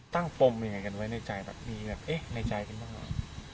ปมยังไงกันไว้ในใจแบบมีแบบเอ๊ะในใจกันบ้างเหรอ